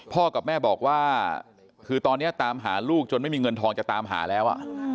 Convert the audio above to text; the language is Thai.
กับแม่บอกว่าคือตอนนี้ตามหาลูกจนไม่มีเงินทองจะตามหาแล้ว